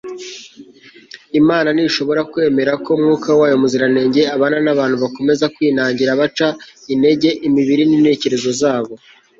imana ntishobora kwemera ko mwuka wayo muziranenge abana n'abantu bakomeza kwinangira baca intege imibiri n'intekerezo zabo